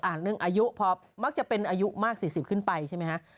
เรื่องอายุพอมักจะเป็นอายุมาก๔๐ขึ้นไปใช่ไหมฮะ